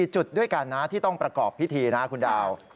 จุดด้วยกันนะที่ต้องประกอบพิธีนะคุณดาว